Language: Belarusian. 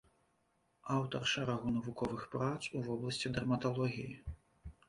Аўтар шэрагу навуковых прац у вобласці дэрматалогіі.